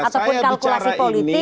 saya bicara ini